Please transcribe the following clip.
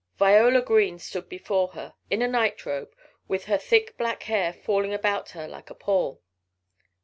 Viola Green stood before her in a nightrobe, with her thick black hair falling about her like a pall.